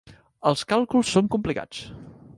Els càlculs són complicats.